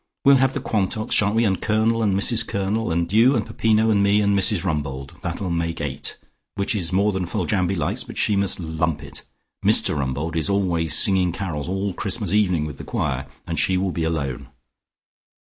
"We'll have the Quantocks, shan't we, and Colonel and Mrs Colonel, and you and Peppino, and me, and Mrs Rumbold? That'll make eight, which is more than Foljambe likes, but she must lump it. Mr Rumbold is always singing carols all Christmas evening with the choir, and she will be alone."